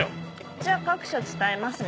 じゃ各所伝えますね。